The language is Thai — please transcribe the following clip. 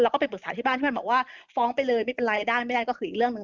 ก็ไปปรึกษาที่บ้านที่มันบอกว่าฟ้องไปเลยไม่เป็นไรได้ไม่ได้ก็คืออีกเรื่องหนึ่ง